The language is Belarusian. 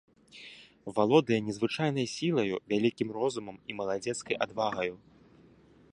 Валодае незвычайнай сілаю, вялікім розумам і маладзецкай адвагаю.